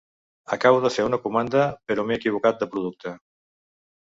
Acabo de fer una comanda però m'he equivocat de producte.